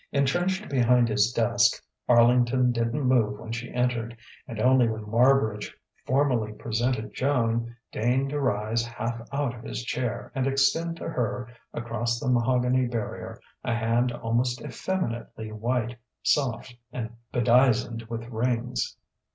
Entrenched behind his desk, Arlington didn't move when she entered, and only when Marbridge formally presented Joan deigned to rise half out of his chair and extend to her, across the mahogany barrier, a hand almost effeminately white, soft, and bedizened with rings.